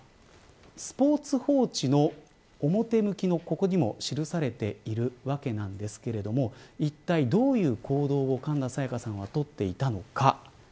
スポーツ報知の表向きのここにも記されているわけなんですけれどもいったいどういう行動を神田沙也加さんはとっていたのか。